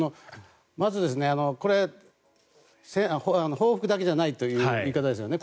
まず、これ報復だけじゃないという言い方ですよね。